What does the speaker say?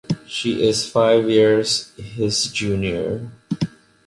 She is five years his junior.